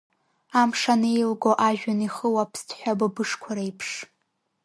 Амш анеилго ажәҩан ихыло аԥсҭҳәа быбышқәа реиԥш…